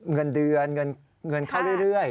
เงินเดือนเงินเข้าเรื่อย